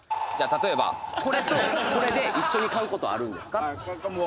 例えばこれとこれで一緒に買うことあるんですか？